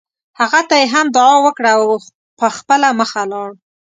هغه ته یې هم دعا وکړه او په خپله مخه لاړ.